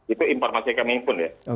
itu informasi kami himpun ya